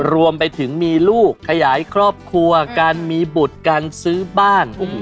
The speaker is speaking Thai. รวมไปถึงมีลูกขยายครอบครัวการมีบุตรการซื้อบ้าน